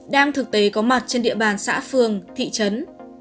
đang thực tế có mặt trên địa bàn xã phường thị trấn